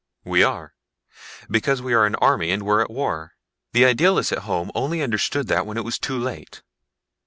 "We are. Because we are an army and we're at war. The idealists at home only understood that when it was too late.